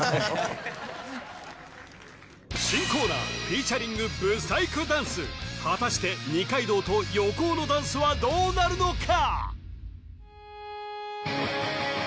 新コーナーフィーチャリング舞祭組ダンス果たして二階堂と横尾のダンスはどうなるのか？